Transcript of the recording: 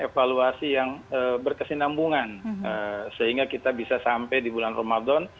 evaluasi yang berkesinambungan sehingga kita bisa sampai di bulan ramadan